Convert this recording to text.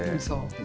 そう。